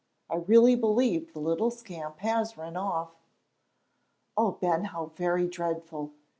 "I really believe the little scamp has run off." "Oh, Ben, how very dreadful!"